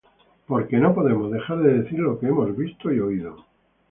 Porque no podemos dejar de decir lo que hemos visto y oído.